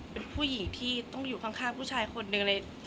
เป็นผู้หญิงที่ต้องอยู่ข้างผู้ชายคนหนึ่งเลย